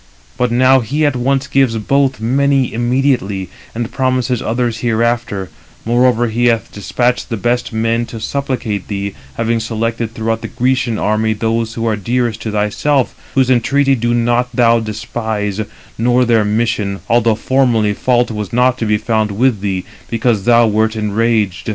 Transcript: But now he at once gives both many immediately, and promises others hereafter; moreover, he hath despatched the best men to supplicate thee, having selected throughout the Grecian army those who are dearest to thyself; whose entreaty do not thou despise, nor their mission, although formerly fault was not to be found with thee, because thou wert enraged.